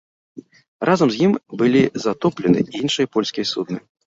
Разам з ім былі затоплены і іншыя польскія судны.